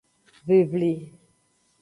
Vivli.